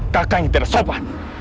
kakak ini tidak sopan